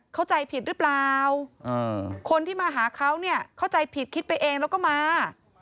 เข้าใจผิดหรือเปล่าคนที่มาหาเขาเนี่ยเข้าใจผิดคิดไปเองแล้วก็มา